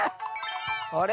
あれ？